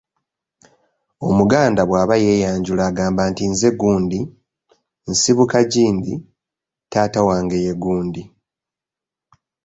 Omuganda bw’aba yeeyanjula agamba nti nze gundi, nsibuka gindi, taata wange ye gundi.